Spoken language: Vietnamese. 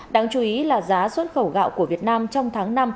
đáng chú ý là giá xuất khẩu gạo của việt nam trong tháng năm